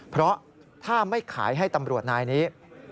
เพราะถ้าไม่ขายให้ตำรวจนายนี้